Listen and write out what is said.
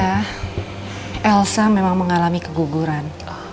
karena elsa memang mengalami keguguran